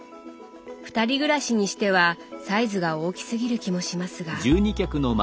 二人暮らしにしてはサイズが大きすぎる気もしますが。